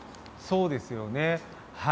そうですよね。